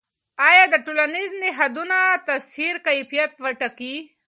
آیا د ټولنیزو نهادونو تاثیر کیفیت ټاکي؟